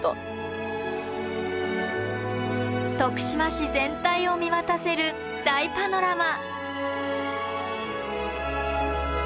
徳島市全体を見渡せる大パノラマ。